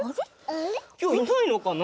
きょういないのかな？